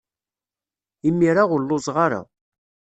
Imir-a ur lluẓeɣ ara.